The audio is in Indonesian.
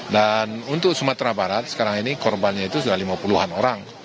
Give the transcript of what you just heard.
dan untuk sumatera barat sekarang ini korbannya itu sudah lima puluhan orang